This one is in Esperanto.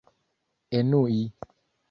enui